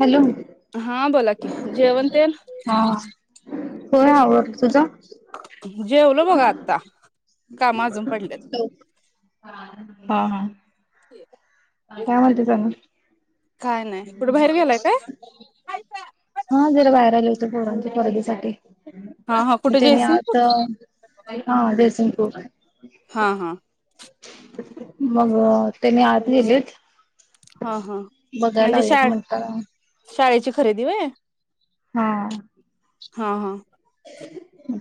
Hello हा बोला की, जेवणं तेन? हो आवरलं तुझ? जेवलो बघा आता काम अजून पडल्यात हा हा. काय म्हणतेस आणि? काय नाही कुठे बाहेर गेलाय काय हा जरा वायरल घरांच्या परडीसाठी हा हा कुठे त्यानी जयसिंगपूर आता हा ड्रेसिंग प्रूप हा हा मग त्यांनी आत गेलेत. हा हा बघायला म्हणजे लागलेत म्हणताना शाळेची खरेदी होय. हा. हा हा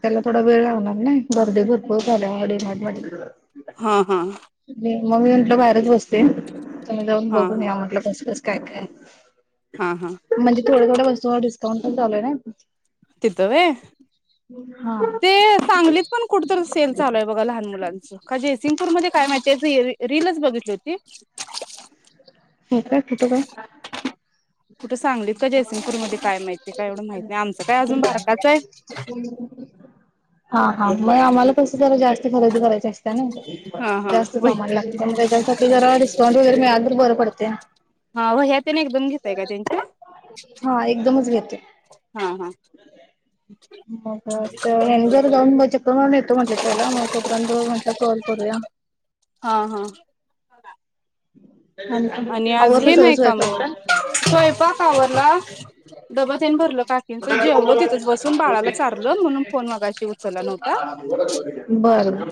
त्याला थोडा वेळ लावणार नाही गर्दी भरपूर झाल्या हा हा मग मी म्हंटलं बाहेरच बस ते तुम्ही जाऊन हा बघून हा या म्हटलं कसं कसं काय काय. हा हा म्हणजे थोड्या थोड्या वस्तूवर डिस्काउंट पण चालू आहे ना. तिथं होय. हा ते सांगलीत पण कुठतं सेल चालूय बघा लहान मुलांचं काय जयसिंगपूरमध्ये काय माहिती. त्याची रीलच बघितली होती. हो काय कुठं ओ? कुठं सांगलीत काय जयसिंगपूर मध्ये काय माहितीय काय एवढं माहिती नाही आमचं काय अजून बारकाच आहे. हा हा मग आम्हाला पैसे जरा जास्त खरेदी करायची असते ना हा हा जास्त वही सामान लागतं. त्याच्यासाठी जरा डिस्काउट वगैर मिळाल तर बरं पडत. हा वह्या तेन एकदम घेताय का त्यांच्या. हा एकदमच घेते. हा हा मग हेनी जरा जाऊन बघुन चेक करून येतो म्हटलं पहिला मग तोपर्यंत म्हटलं कॉल करूया. [inaudible] हा हा. आणि आज आवरलं हे सगळं नाही का स्वयंपाक मग पण स्वयंपाक आवरला डबा तेन भरल काकींच जेवलो तिथंच बसून बाळाला चारलं म्हणून फोन मगाशी उचलला नव्हता. बर.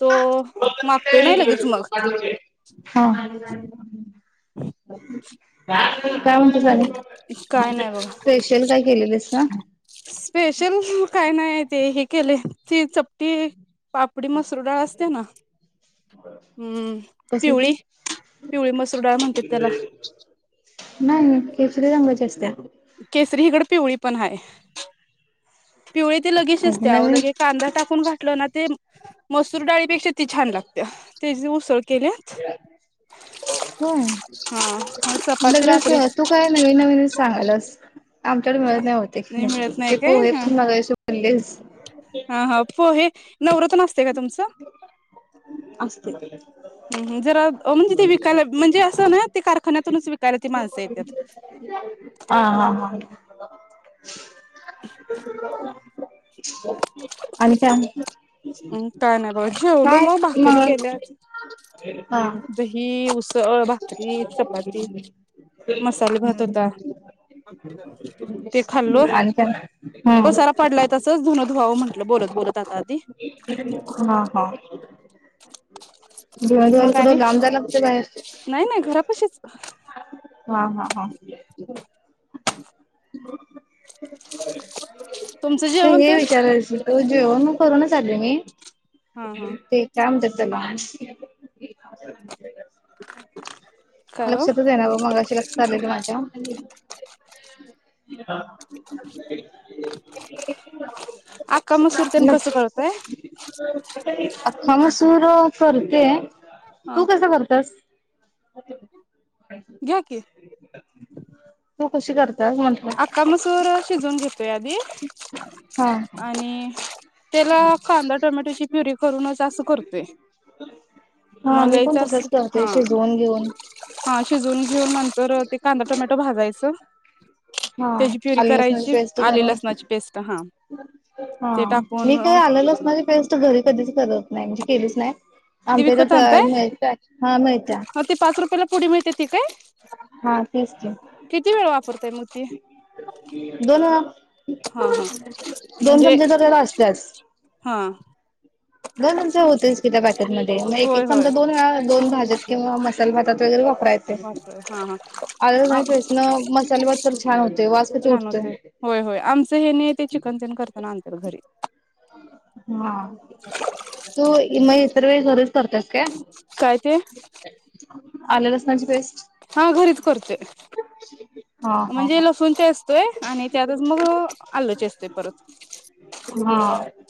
तो मागतोय नाही लगेच मग [unintelligible] हा. काय म्हणतीस आणि? काय नाही बघ, स्पेशल काय केलेलीस ना स्पेशल काय नाही. ते हे केले त चपटी पापडी मसरू डाळ असते ना. हम्म कसली ते? पिवळी पिवळी मसूर डाळ म्हणतेात त्याला. नाही केशरी रंगाची असत्या. केसरी हिगड पिवळी पण आहे. पिवळी ते लगेचच त्या अ नवीन लगे कांदा टाकून घाातलं ना ते मसूर डाळीपेक्षा ती छान लागते. त्याची उसळं [unintelligible] हो, हा चपाती लगेच रात्री तू काय नवीन नवीनच सांगाल्यास. आमच्याकडे मिळत नाही ओ ते, मिळत नाही ते काय पोहे हा पण मगाशी ओलेच. हा हा पोहे नवरत असते का तुमचं? असते. हम जरा म्हणजे ते विकायला म्हणजे असं ना ते कारखान्यातूनच विकायला ती माणसं येतात. हा हा हा. आणि काय मग? म्हणतान ब जेवलो मग भाकरी केल्यात हा दही उ सळ, भाकरी, चपाती मसाला भात होता. ते खाल्लो. आणि काय? हम्म पसारा पडलाय तसंच धुनं धुवावं म्हटलं बोलत बोलत आता आधी. हा हा. धून धुवायला मग आणि कुठे लांब जायला लागते काय बाहेर. नाही नाही घरापशीच हा हा हा. तुमचं ते जेवण हे विचारायच होतं. जेवन मग करून आली मी हा हा ते काय म्हणतात. त्याला काय हो लक्षातच येईना बघ मगाशी लक्षात आलेली माझ्या. हा. [inaudible] अख्खा मसूर तेन कसं लक्ष करताय? आख्खा मसूर करतोय हा तू कस करत्यास? घ्या की तु कशी कर अख्खा मसूर शिजवून घेतोय आधी हा आणि त्याला कांदा टोमॅटोची प्युरी करूनच असं करतोय. हा मी पण मलाईच अस तसच हा. करते शिजवून घेऊन हा शिजवून घेऊ नंतर ते कांदा टोमॅटो भाजायचं. हा त्याची प्युरी आलं लसणाची करायची पेस्ट आली करून लसणाची पेस्ट हा हा ते मी टाकून काय आलं लसणाची पेस्ट घरी कधीच करत नाही म्हणजे कधी केलीच नाही. ती आमच्या इथ विकत तयार आणताय मिळत हा मिळत्या. ती पाच रुपयाला पुडी मिळते ती काय हा तेच की किती वेळ वापरताय मग ती? दोन वेळा. हा हा दोन म्हणजे चमचे त्याच्यात असत्याच. हा दोन चमचे होतेस कि त्या पॅकेट मध्ये एक होय एक होय चमचा दोनवेळा दोन भाज्यात किंवा मसाला भात वगैरे वा प्राय येतंय. वापरय हा ह मसाले भात तर छान होते वास किती छान उठतोय होते होय होय आमचं हे नी ते चिकन तेन करताना आणत्यात घरी. हा तू मग इतर वेळ घरीच करतेस काय? काय ते? आलं लसणाची पेस्ट हा घरीच करतोय. हा हा म्हणजे लसूणचा चेचतोय आणि त्यातच मग आल चेचतोय परत. हा.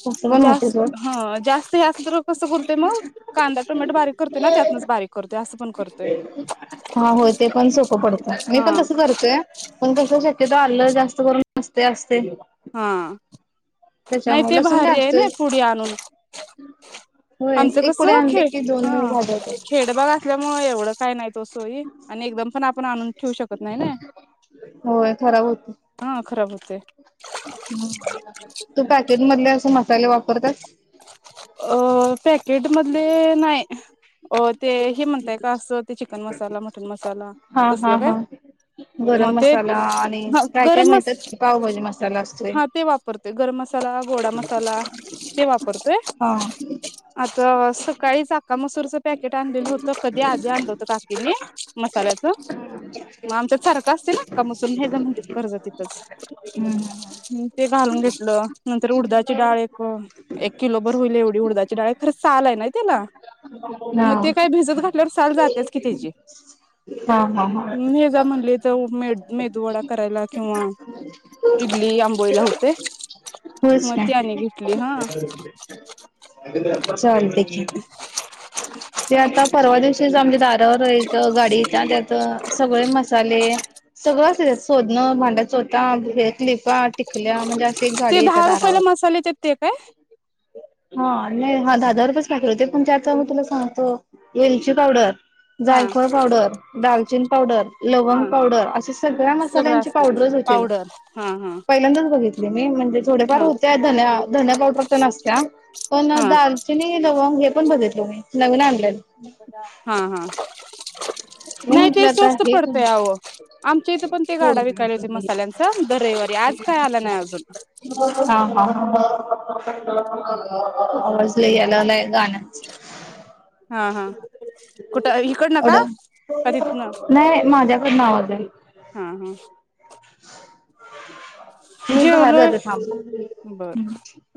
तसं पण जात होते सोड हा जास्त. ह कसं करते मग? कांदा टोमॅटो बारीक करते ना? त्यातनच बारीक करते असं पण करतोय. हो ते पण सोपं पडत. मी हा पण तसंच करतोय पण कस शक्यत आलं जास्त करून नसते असते. हा नाही त्याच्यामुळे ते लसूण भारी काय आहे. ना असतोयच पुढे आणून. होय आमचं एक कस पुढे आणले खेळ की दोन वेळ हा भाजवतात खेडबाग असल्यामुळे एवढं काय नाहीत ओ सोई आणि एकदम पण आपण आणुन ठेवू शकत नाही ना? होय हा खराब होते. हं तू पॅकेट मधले असे मसाले वापरतेस? अ पॅकेटमधले नाही. अ ते हे म्हणताय का? असं, ते चिकन मसाला, मटण मसाला हा हा तसला काय? हा गरम हो ते मसाला आणि काय काय गरम मिळतात की पावभाजी मसाला असतोय हा ते वापरते गरम मसा ला, गोडा मसाला ते वाप रते. हा आता सकाळीच अख्खा मसुरच पॅ केट आणलेलं होत. कधी आधी आण होत काकीने मसाल्याच. मग आमचात सारख असते ना? का मसूर हे्याज म्हणते कर्ज तिथंच. हम्म ह् ते घालून घेतलं. नंतर उडदाची डाळ एक एक किलो भर होईल एवढी हुडदाची डाळे खरं चाल आहे ना त्याला? हा मग ते काय भिजत घातल्यावर साल जातेच की त्याची. हा हा हा हे ज म्हणले तर मे मेदू वडा करायला किंवा इडली आंबोईला होतय मग ती आणि घेतली हा. चालतय की. ते आता परवा दिवशीच आमच्या दारवर एक गाडी त्यात सगळे मसाले सगळं अस शोधणं भांड्या चोता हे क्लिपा टिकल्या म्हणजे, अशी ते गाडी येत्या दहा रुपयाला दारावर मसाले येतात ते काय हा. नाही हा दहा द रुपच पाकीट होते पण त्याचा मी तुला सांगतो वेलची पावडर हा जायफळ पावडर, दालचीन पावडर, लवंग हा पावडर अशा सगळ्या सगळं मसाल्यांची असत पावडर पावडर ह. पहिल्यांदाच बघितली मी. म्हणजे थोडेफार हा होते धन धन्या पावडर तेन आसत्या. पण हा दालचिनी, लवंग हे पण बघितलं मी नवीन आणल्यान. हा हा. [inaudible] नाही ते म्हंटलं आता स्वस्त हे कोण पडतय अह आमच्या इथे पण ते गाडा विकायला येतो मसाल्यांचा दर रविवारी. आज काय आला नाही अजून हा हा. आवाज लयी यायलागलाय. हा हा कुठं इकड न का? एवढं का तिथनं नाही. माझ्याकड आवाज आहे. हा हा मी बाहेर जेवलोय जाते थांब. बर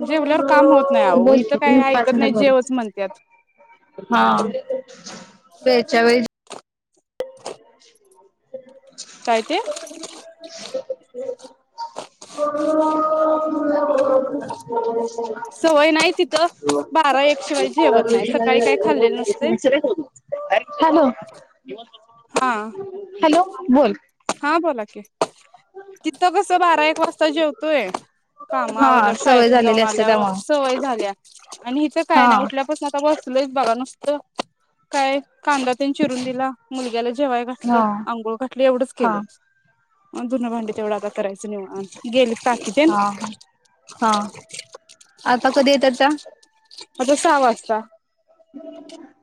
जेवल्यावर काम होत नाही अहो बोल इथं काय की, पाच ऐकत मिनिट नाही बोल. जेवच म्हणत्यात हा वेळच्यावेळी [inaudible] [inaudible] काय ते? [inaudible] सवय नाही तिथं [unintelligible] बारा एक शिवाय जेवत नाही सकाळी काय खाल्लेलं नसतंय हॅलो, हा हॅलो बोल. हा बोला कि तिथं कस बारा एक वाजता जेवतोय. काम हा आवरल्या सवय शाळेतने झालेली जाऊन असते आल्यावर त्यामुळं. सवय झाल्या आणि हिचं काय हा. नाही उठल्यापासून आता बस सलोयच बघा नसत काय कांदा त्याने चिरून दिला मुलग्याला जेवय घातलं, हा अंघोळ घातलं एवढंच हा केलं. दुन्ह भांडि तेवढ आता करायचं निवांत गेलीत काकीतेन? हा हा हा. आता कधी येतात त्या? आता सहा वाजता,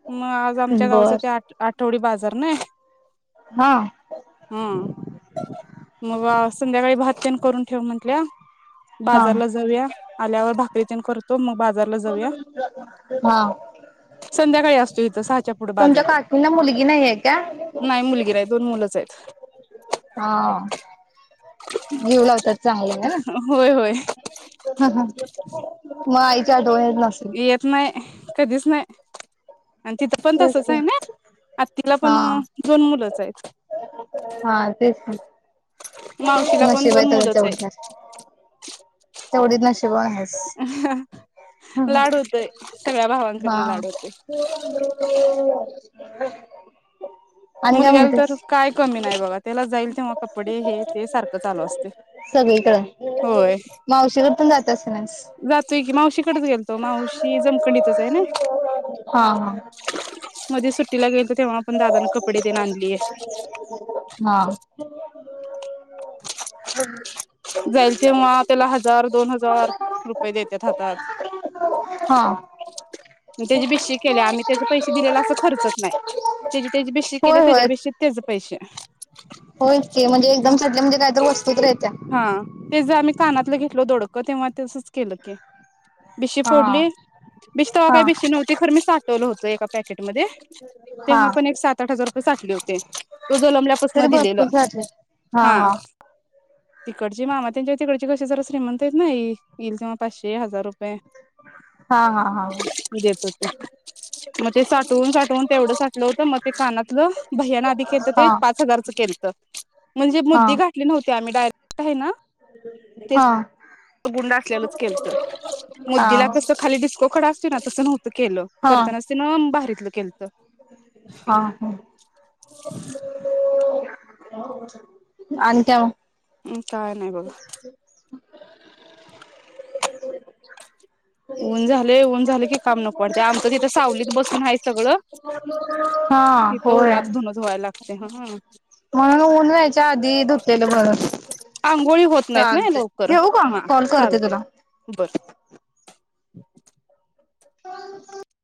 मग आज आमच्या गावच बर. ते आठवडी बाजा र नाही हा हम्म मग संध्याकाळी भात तेन करून ठेव म्हंटल्या. हा बाजारला जाऊया आल्यावर भा करी तेन करतो मग बाजारला जाऊया [unintelligible] हा संध्याकाळी असतो इथं सहाच्या पुढे तुमच्या बाजार. काकींना मुलगी नाहीये का? नाही मुलगी नाही दोन मुलं. च आहे. हा [unintelligible] होता चांगले ना. होय होय ह ह मग आईच्या आठवन येते नसेल. येत नाही कधीच नाही. आणि तिथं पण तेच तसच की आहे ना आतिला पण हा दोन मुलंच आहेत. हा तेच. मावशीला पण नशिबाई दोन आहे तर मुलंच तेवढ आहेत जास् तेवढीच नशिबवान हाईस. हम लाड होतोय हम सगळ्या हा. भावांकडनं लाड होतोय [inaudible] आणि काय मुलग्याला म्हणतेस तर काय कमी नाही बघा त्याला जाईल तेव्हा कपडे हे ते सारखं चालू असते. सगळीकडं. होय जातोय की मावशीकडेच गेल तो मावशी जमकंडीतच आहे ना. हा मध्ये सुट्टीला गेल तर तेव्हा आपण दादान कप डे तेन आणली. हा हा [inaudible] जायल तेव्हा त्याला हजार दोन हजार रुपये देतात हातात. हा. त्याची बेशी केल्या आम्ही त्याचे पैसे दिलेला असं खर्च नाही त्याची त्याची बेशशी केल्या होय त्याच्या होय बेशी त्याचं पैसे. होयच कि म्हणजे एकदम [unintelligible] म्हणजे काहीत वस्तूत येत्या. ते ज आम्ही कानातलं घेतलो दोडक तेव्हा तसच केलं कि. बिशी फोडली हा बिशी तेव्हा काही हा बिशी नव्हती खर मी साठवलं होतं एका पॅ- केट मध्ये, हा तेव्हा पण एक सात आठ हजार रुपये साठले होते. तुझ तरी जलंबल्यापासनं दिलेलं भरपूर साठले हा. तिकडची मामा त्यांच्या तिकडची कशी जरा श्रीमंत आहेतेत ना येईल तेव्हा पाचशे हजार रुपये हा हा हा. देत होते मग ते साठवून साठवून तेवढं साठलं होतं मग ते कानातलं भैयांन आधी केलं ते हा पाच हजारचं केलं त. म्हणजे हा मुद्दी घाठली नव्हते आम्ही डायरेक्ट हेन हा. त गुंड असल्यालाच केलत हा मुद्दीला कस खाली डिस्को खडा असतो ना तसं नव्हतं केलं. हा तना ना भारी हा हा. [unintelligible] आणि त्या काय नाही बघा ऊन झाले ऊन झाले की काम नको पडते आमचं तिथं सावलीत बसून आहे सगळं. हा तिथं होय. उन्हात धुन धुवायला लागते हा म्हणून ऊन जायच्या आधी धूतलेलं बर. गोळी होत नाहीत ना लवकर हा कॉल करते चालते तुला. बर. [inaudible] [inaudible]